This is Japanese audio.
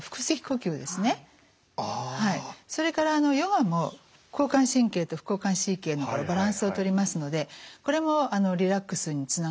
それからヨガも交感神経と副交感神経のバランスをとりますのでこれもリラックスにつながるわけです。